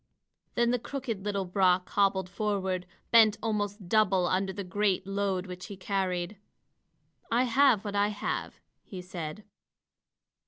Then the crooked little Brock hobbled forward, bent almost double under the great load which he carried. "I have what I have," he said.